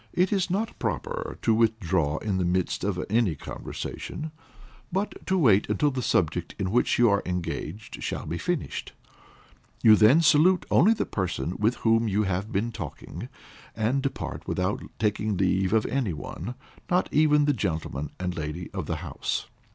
It is not proper to withdraw in the midst of any conversation, but to wait until the subject in which you are engaged shall be finished; you then salute only the person with whom you have been talking, and depart without taking leave of any one, not even the gentleman and lady of the house.